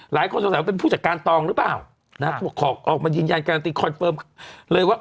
หลายคนสงสัยว่าเป็นผู้จัดการตองหรือเปล่านะเขาบอกขอออกมายืนยันการันตีคอนเฟิร์มเลยว่า